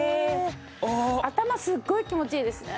頭すごい気持ちいいですね。